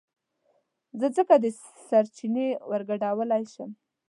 زه څنگه سرچينې ورگډولی شم